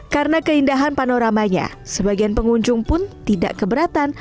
karena keindahan panoramanya sebagian pengunjung pun tidak keberatan